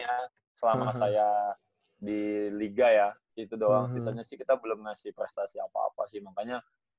ya selama saya di liga ya itu doang sisanya sih kita belum ngasih prestasi apa apa sih makanya